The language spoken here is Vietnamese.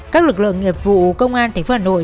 các lực lượng nghiệp vụ công an tp hà nội